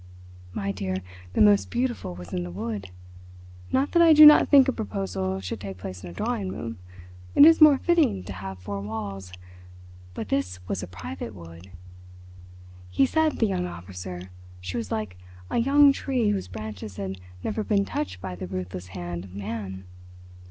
My dear, the most beautiful was in the wood. Not that I do not think a proposal should take place in a drawing room—it is more fitting to have four walls—but this was a private wood. He said, the young officer, she was like a young tree whose branches had never been touched by the ruthless hand of man.